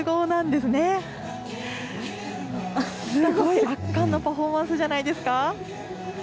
すごい、圧巻のパフォーマンスじゃないですか？